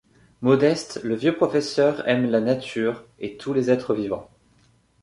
Modeste, le vieux professeur aime la Nature et tous les êtres vivants.